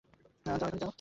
যাও, এখনি, যাও।